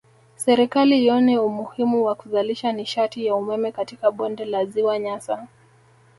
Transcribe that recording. Serikali ione umuhimu wa kuzalisha nishati ya umeme katika bonde la ziwa Nyasa